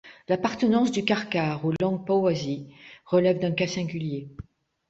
L'appartenance du karkar aux langues pauwasi relève d'un cas singulier.